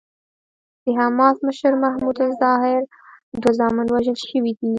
د حماس مشر محمود الزهار دوه زامن وژل شوي دي.